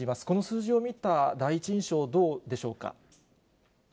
この数字を見た第一印象どうでしょうか。